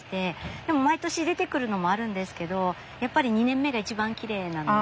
でも毎年出てくるのもあるんですけどやっぱり２年目が一番きれいなので。